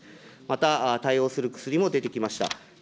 また、対応する薬も出てきました。